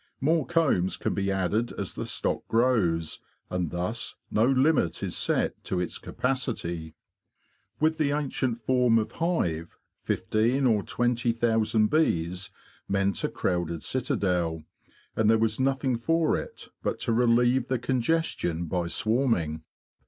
More combs can be added as the stock grows, and thus no limit is set to its capacity. With the 122 THE BEE MASTER OF WARRILOW ancient form of hive fifteen or twenty thousand bees meant a crowded citadel, and there was nothing for it but to relieve the congestion by swarming.